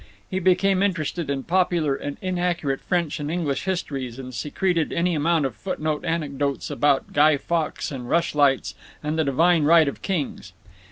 He became interested in popular and inaccurate French and English histories, and secreted any amount of footnote anecdotes about Guy Fawkes and rush lights and the divine right of kings.